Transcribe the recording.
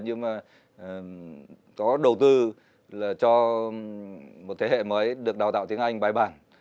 nhưng mà có đầu tư là cho một thế hệ mới được đào tạo tiếng anh bài bản